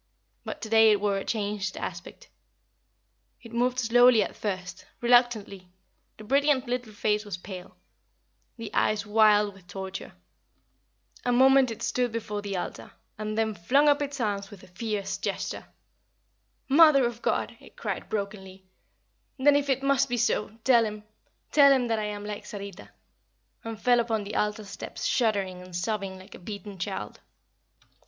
But to day it wore a changed aspect. It moved slowly at first, reluctantly; the brilliant little face was pale; the eyes wild with torture. A moment it stood before the altar, and then flung up its arms with a fierce gesture. "Mother of God," it cried, brokenly, "then if it must be so tell him tell him that I am like Sarita!" and fell upon the altar steps shuddering and sobbing like a beaten child.